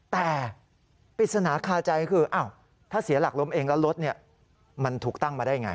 แต่ปริศนาคาใจคือถ้าเสียหลักล้มเองแล้วรถมันถูกตั้งมาได้ไง